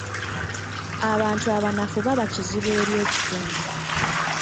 Abantu abanafu baba kizibu eri ekitundu.